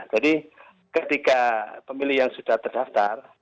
jadi ketika pemilih yang sudah terdaftar